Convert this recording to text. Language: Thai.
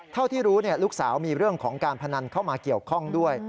เท่าที่รู้ลูกสาวมีเรื่องของการพนันเข้ามาเกี่ยวข้องด้วย